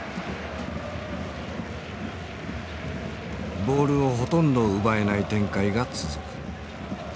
ボールをほとんど奪えない展開が続く。